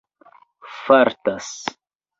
fartas